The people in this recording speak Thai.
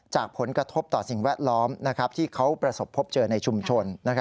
จากผลกระทบต่อสิ่งแวดล้อมที่เขาประสบพบเจอในชุมชน